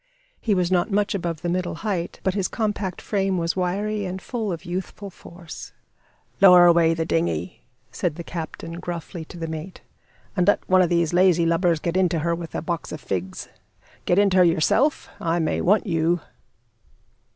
He was not much above the middle height; but his compact frame was wiry and full of youthful force. "Lower away the dinghy," said the captain, gruffly, to the mate, "and let one of these lazy lubbers get into her with a box of figs. Get into her yourself? I may want you."